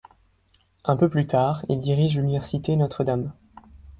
Un peu plus tard, il dirige l’université Notre-Dame.